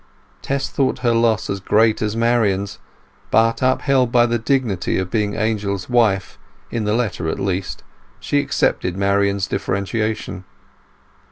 Tess thought her loss as great as Marian's, but upheld by the dignity of being Angel's wife, in the letter at least, she accepted Marian's differentiation.